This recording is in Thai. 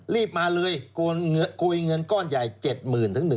รีบมาเลยกลุ่ยเงินก้อนใหญ่๗๐๐๐๐ถึง๑๐๐๐๐๐